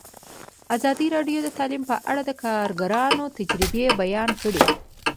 ازادي راډیو د تعلیم په اړه د کارګرانو تجربې بیان کړي.